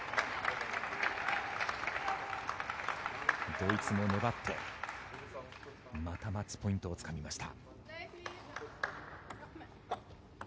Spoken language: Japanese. ドイツも粘ってまたマッチポイントをつかみました。